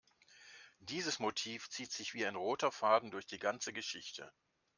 Dieses Motiv zieht sich wie ein roter Faden durch die ganze Geschichte.